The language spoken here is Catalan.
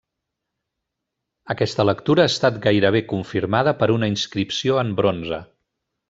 Aquesta lectura ha estat gairebé confirmada per una inscripció en bronze.